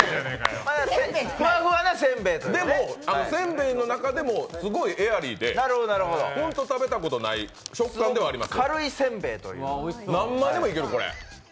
でもせんべいの中でもすごいエアリーで本当、食べたことがない食感ではあります。